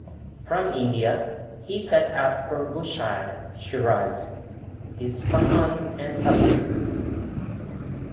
From India, he set out for Bushire, Shiraz, Isfahan, and Tabriz.